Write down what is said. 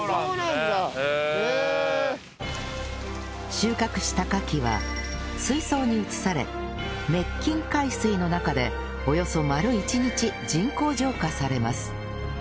収穫したカキは水槽に移され滅菌海水の中でおよそ丸１日人工浄化されます